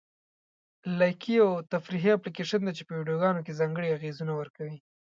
لایکي یو تفریحي اپلیکیشن دی چې په ویډیوګانو کې ځانګړي اغېزونه ورکوي.